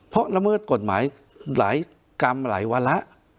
เพราะละเมิดกฎหมายหลายกรรมหลายวาระ